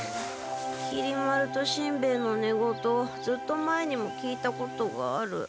きり丸としんべヱのねごとをずっと前にも聞いたことがある。